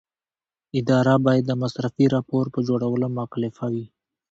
اداره باید د مصرفي راپور په جوړولو مکلفه وي.